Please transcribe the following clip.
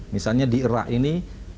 misalnya di irak ini